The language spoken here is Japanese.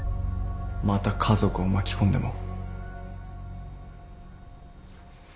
また家族を巻き込んでも。